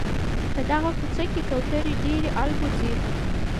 په دغه کوڅه کي کوتري ډېري البوځي.